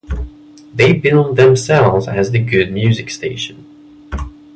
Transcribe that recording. They billed themselves as the "good music" station.